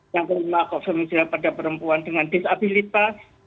yang kelima konfirmasi pada perempuan dengan disabilitas